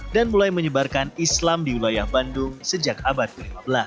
dan mulai menyebarkan islam di wilayah bandung sejak abad ke lima belas